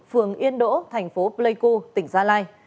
phường yên đỗ thành phố pleiku tỉnh gia lai